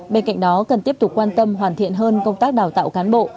bên cạnh đó cần tiếp tục quan tâm hoàn thiện hơn công tác đào tạo cán bộ